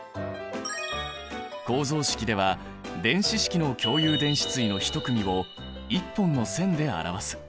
構造式では電子式の共有電子対の１組を１本の線で表す。